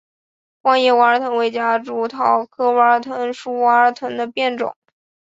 光叶娃儿藤为夹竹桃科娃儿藤属娃儿藤的变种。